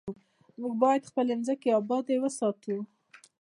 موږ باید خپلې ځمکې ابادې وساتو.